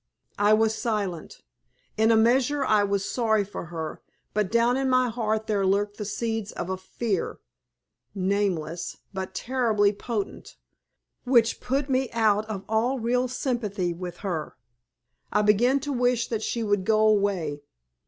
I was silent. In a measure I was sorry for her, but down in my heart there lurked the seeds of a fear nameless, but terribly potent which put me out of all real sympathy with her. I began to wish that she would go away.